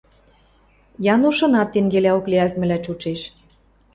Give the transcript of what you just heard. Яношынат тӹнгелӓок лиӓлтмӹлӓ чучеш...